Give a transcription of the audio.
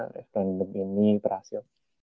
ya itu mungkin di prasio